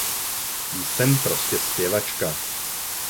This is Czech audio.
Jsem prostě zpěvačka.